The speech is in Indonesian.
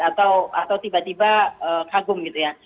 atau tiba tiba kagum gitu ya